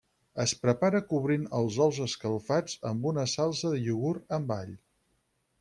Es prepara cobrint els ous escalfats amb una salsa de iogurt amb all.